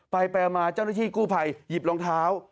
ไปมาเจ้าหน้าที่กู้ภัยหยิบรองเท้า